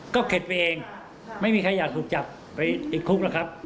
ก็เข็ดไปเองไม่มีใครอยากถูกจับไปติดคุกหรอกครับ